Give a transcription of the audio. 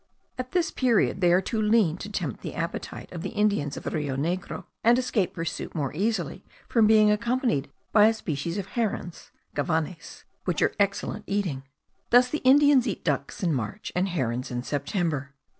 At this period they are too lean to tempt the appetite of the Indians of the Rio Negro, and escape pursuit more easily from being accompanied by a species of herons (gavanes) which are excellent eating. Thus the Indians eat ducks in March, and herons in September.